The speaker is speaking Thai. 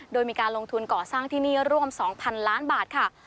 โดยมีการลงทุนก่อสร้างที่นี่ร่วม๒๐๐๐ล้านบาทค่ะ